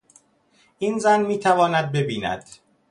این زن میتواند ببیند.